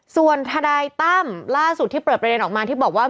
ส่วนทนายตั้มล่าสุดที่เปิดประเด็นออกมาที่บอกว่า